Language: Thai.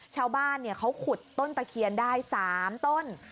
ชาวบ้านเขาขุดต้นตะเคียนได้๓ต้น